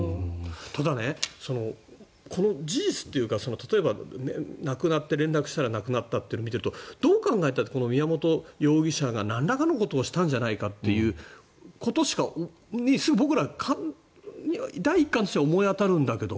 ただ、この事実というか連絡したら亡くなっていたというのを見るとどう考えたって宮本容疑者がなんらかのことをしたんじゃないかということしか僕ら、第一感としては思い当たるんだけど。